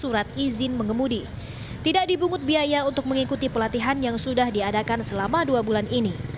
surat izin mengemudi tidak dibungut biaya untuk mengikuti pelatihan yang sudah diadakan selama dua bulan ini